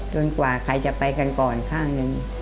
กว่าใครจะไปกันก่อนข้างหนึ่ง